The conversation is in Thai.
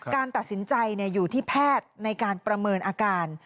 การตัดสินใจอยู่ที่แพทย์ในการประเมินอาการ